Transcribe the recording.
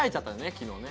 昨日ね。